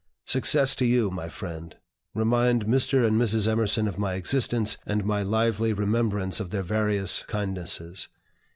"Success to you, my friend! Remind Mr. and Mrs. Emerson of my existence, and my lively remembrance of their various kindnesses.